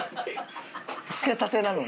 つけたてなのに。